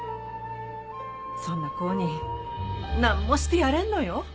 そんな子に何もしてやれんのよ。